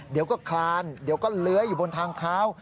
เดี๋ยวก็คลานเดี๋ยวก็เลื้อยอยู่บนทางเท้า